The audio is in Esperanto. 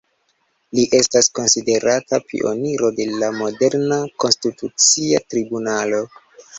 Li estas konsiderata pioniro de la moderna Konstitucia tribunalo.